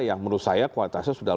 yang menurut saya kualitasnya sudah